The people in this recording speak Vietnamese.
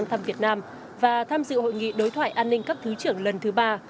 thăm việt nam và tham dự hội nghị đối thoại an ninh cấp thứ trưởng lần thứ ba